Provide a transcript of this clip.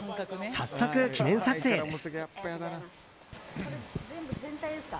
早速、記念撮影です。